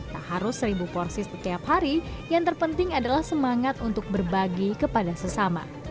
tak harus seribu porsi setiap hari yang terpenting adalah semangat untuk berbagi kepada sesama